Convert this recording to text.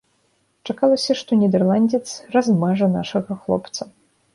Чакалася, што нідэрландзец размажа нашага хлопца.